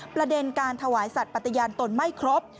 ประเด็นการถวายสัตว์ปฏิญาณตนไม่ครบ